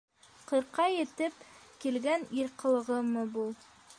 Ҡырҡҡа етеп килгән ир ҡылығымы был?!